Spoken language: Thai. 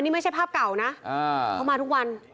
นี่ไม่ใช่ภาพเก่านะเขามาทุกวัน